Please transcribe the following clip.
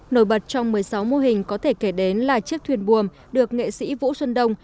nổi bật trong một mươi sáu mô hình có thể kể đến là chiếc thuyền buồm được nghệ sĩ vũ xuân đông